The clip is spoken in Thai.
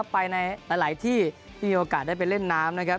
ไปในหลายที่ที่มีโอกาสได้ไปเล่นน้ำนะครับ